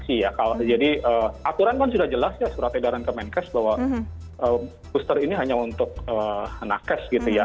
iya jadi aturan kan sudah jelas ya surat edaran kemenkes bahwa booster ini hanya untuk nakes gitu ya